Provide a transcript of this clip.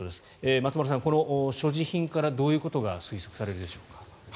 松丸さん、この所持品からどういうことが推測されるでしょうか。